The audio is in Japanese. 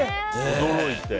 驚いて。